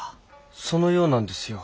そのようなんですよ。